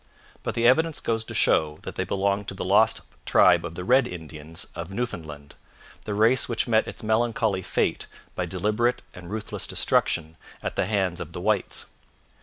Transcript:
But the evidence goes to show that they belonged to the lost tribe of the 'Red Indians' of Newfoundland, the race which met its melancholy fate by deliberate and ruthless destruction at the hands of the whites.